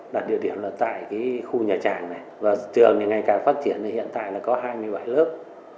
đặt địa điểm là tại cái khu nhà tràng này và trường này ngày càng phát triển hiện tại là có hai mươi bảy lớp